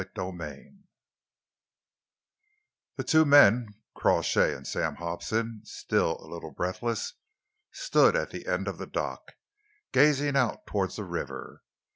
CHAPTER IV The two men Crawshay and Sam Hobson still a little breathless, stood at the end of the dock, gazing out towards the river.